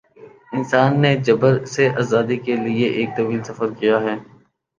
انسان نے جبر سے آزادی کے لیے ایک طویل سفر کیا ہے۔